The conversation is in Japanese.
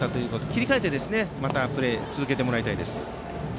切り替えてプレーを続けてもらいたいです。